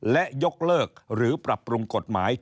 และยกเลิกหรือปรับปรุงกฎหมาย